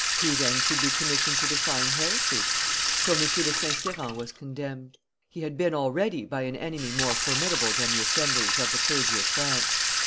Who, then, should be commissioned to define heresy? So M. de St. Cyran was condemned. He had been already by an enemy more formidable than the assemblies of the clergy of France.